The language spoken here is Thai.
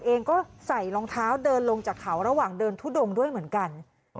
เองก็ใส่รองเท้าเดินลงจากเขาระหว่างเดินทุดงด้วยเหมือนกัน